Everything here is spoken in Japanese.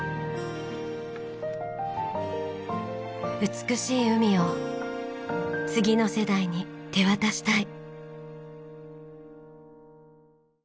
美しい海を次の世代に手渡したい。